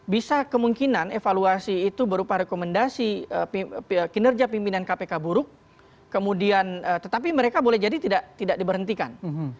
bisa kemungkinan evaluasi itu berupa rekomendasi kinerja pimpinan kpk buruk kemudian tetapi mereka boleh jadi tidak diberhentikan